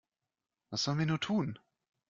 Was sollen wir nur tun?